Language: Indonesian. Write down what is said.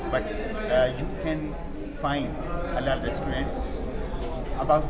tapi kamu bisa menemukan restoran halal